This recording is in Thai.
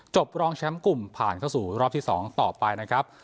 รองแชมป์กลุ่มผ่านเข้าสู่รอบที่๒ต่อไปนะครับ